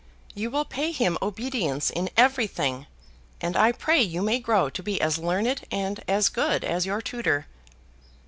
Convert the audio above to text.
You will pay him obedience in everything, and I pray you may grow to be as learned and as good as your tutor."